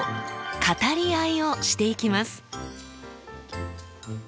語り合いをしていきます。